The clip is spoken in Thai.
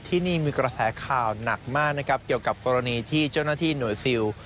ที่นี่มีกระแสข่าวหนักมากนะครับเกี่ยวกับกรณีที่เจ้าหน้าที่หน่วยซิล